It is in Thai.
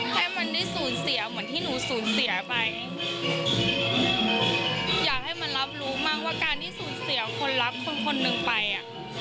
ให้มันได้สูญเสียเหมือนที่หนูสูญเสียไปอยากให้มันรับรู้มั่งว่าการที่สูญเสียคนรับคนคนหนึ่งไปอ่ะ